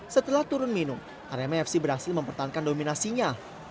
setelah turun minum rmafc berhasil mempertahankan dominasinya